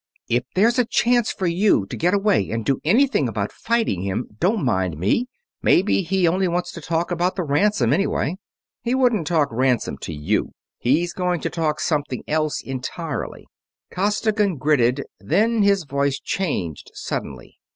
"If there's a chance for you to get away and do anything about fighting him, don't mind me. Maybe he only wants to talk about the ransom, anyway." "He wouldn't talk ransom to you he's going to talk something else entirely," Costigan gritted, then his voice changed suddenly.